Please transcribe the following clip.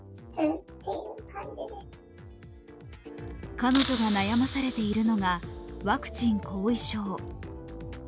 彼女が悩まされているのがワクチン後遺症。